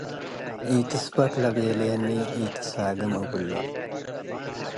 “ኢትስበክ” ለቤሌኒ “ኢትሳግም” እብሎ'።